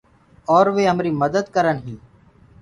اور وي همري مدد ڪرن هينٚ۔